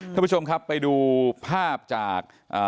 ท่านผู้ชมครับไปดูภาพจากอ่า